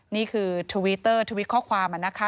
นี่คือทวีตเตอร์ทวิตข้อความอ่ะนะคะ